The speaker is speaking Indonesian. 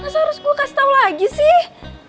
gak seharusnya gue kasih tau lagi sih